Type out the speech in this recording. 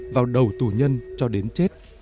vào đầu tù nhân cho đến chết